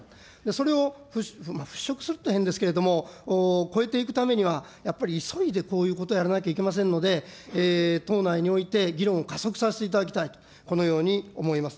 それを払拭するというと変ですけれども、こえていくためには、やっぱり急いでこういうことをやらなきゃいけませんので、党内において議論を加速させていただきたい、このように思います。